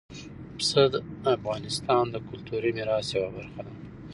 پسه د افغانستان د کلتوري میراث یوه برخه ده.